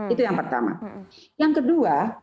itu yang pertama yang kedua